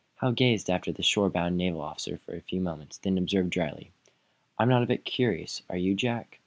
Hal gazed after the shore bound naval officer for a few moments, then observed, dryly: "I'm not a bit curious. Are you, Jack?"